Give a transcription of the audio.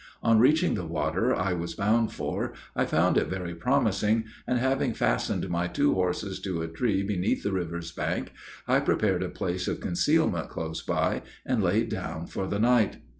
On reaching the water I was bound for, I found it very promising, and, having fastened my two horses to a tree beneath the river's bank, I prepared a place of concealment close by, and laid down for the night.